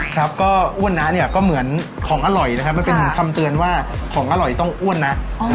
ครับก็อ้วนนะเนี่ยก็เหมือนของอร่อยนะครับมันเป็นคำเตือนว่าของอร่อยต้องอ้วนนะ